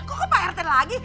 kok pak rt lagi